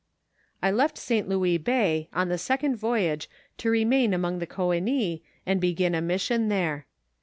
I left St. Louis bay on the second voyage to remain among the Coenis and begin a mission there.